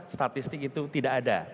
statistik itu tidak ada